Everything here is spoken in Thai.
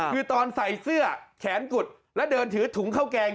คือตอนใส่เสื้อแขนกุดแล้วเดินถือถุงข้าวแกง